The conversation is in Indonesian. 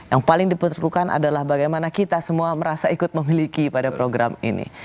yang paling diperlukan adalah bagaimana kita semua merasa ikut memiliki pada program ini